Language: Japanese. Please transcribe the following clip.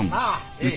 ええ。